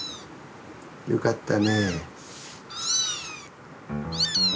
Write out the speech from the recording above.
よかったね。